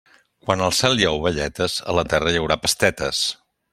Quan al cel hi ha ovelletes, a la terra hi haurà pastetes.